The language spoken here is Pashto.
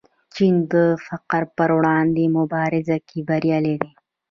چین د فقر پر وړاندې مبارزه کې بریالی دی.